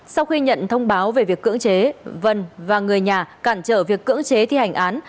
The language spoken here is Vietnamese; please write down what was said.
sau khi nhận thông báo về việc cưỡng chế vân và người nhà cản trở việc cưỡng chế thi hành án